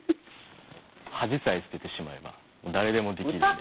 恥さえ捨ててしまえば誰でもできるんで。